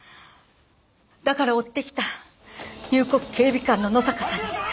だから追ってきた入国警備官の野坂さんに引き渡そうとしたわ。